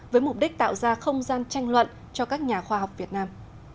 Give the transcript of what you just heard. với mục đích tạo ra không gian tranh luận cho các nhà khoa học việt nam